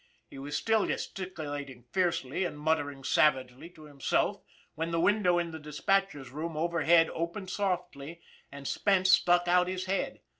He was still gestic ulating fiercely and muttering savagely to himself when the window in the dispatcher's room overhead opened softly, and Spence stuck out his head.